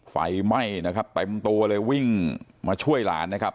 ไฟไหม้นะครับเต็มตัวเลยวิ่งมาช่วยหลานนะครับ